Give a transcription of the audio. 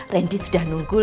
randy sudah nunggu